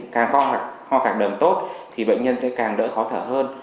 càng ho khạc đờm tốt thì bệnh nhân sẽ càng đỡ khó thở hơn